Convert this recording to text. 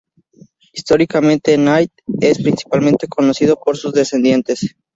Históricamente, Nath Í es principalmente conocido por sus descendientes.